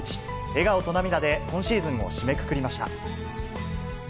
笑顔と涙で今シーズンを締めくくりました。